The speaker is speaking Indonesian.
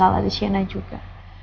masalah di sana juga